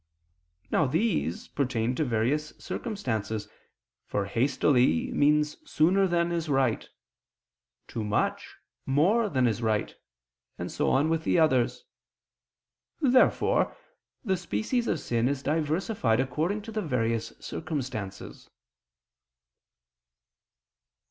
Now these pertain to various circumstances, for "hastily" means sooner than is right; "too much," more than is right, and so on with the others. Therefore the species of sin is diversified according to the various circumstances.